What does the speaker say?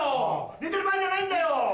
寝てる場合じゃないんだよ！